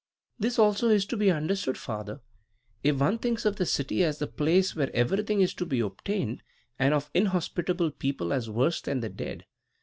"This also is to be understood, father, if one thinks of the city as the place where everything is to be obtained, and of inhospitable people as worse than the dead.